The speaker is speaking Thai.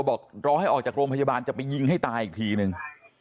บอกรอให้ออกจากโรงพยาบาลจะไปยิงให้ตายอีกทีนึง